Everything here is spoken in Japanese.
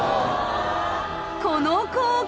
この光景！